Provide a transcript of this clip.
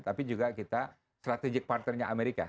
tapi juga kita strategic partnernya amerika